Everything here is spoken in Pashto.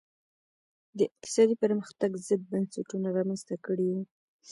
د اقتصادي پرمختګ ضد بنسټونه رامنځته کړي وو.